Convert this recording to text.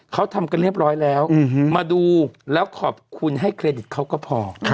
เขาทำกันเรียบร้อยแล้วมาดูแล้วขอบคุณให้เครดิตเขาก็พอ